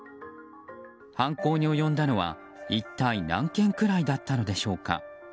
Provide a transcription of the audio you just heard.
犯行に及んだのは一体何件くらいだったのでしょうか。